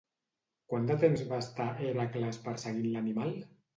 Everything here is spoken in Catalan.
Quant de temps va estar Hèracles perseguint l'animal?